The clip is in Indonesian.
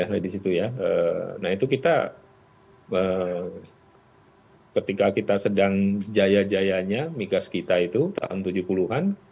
nah itu kita ketika kita sedang jaya jayanya migas kita itu tahun tujuh puluh an